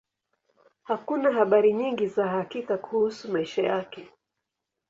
Hakuna habari nyingi za hakika kuhusu maisha yake.